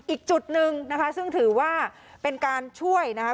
อีกจุดหนึ่งนะคะซึ่งถือว่าเป็นการช่วยนะคะ